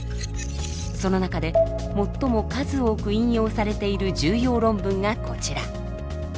その中で最も数多く引用されている重要論文がこちら。